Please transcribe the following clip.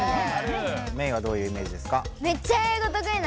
メイはどういうイメージですか？